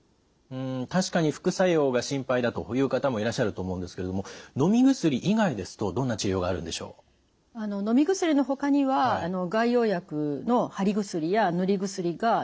確かに副作用が心配だという方もいらっしゃると思うんですけれどものみ薬以外ですとどんな治療があるんでしょう？のみ薬のほかには外用薬の貼り薬や塗り薬が使われることがあります。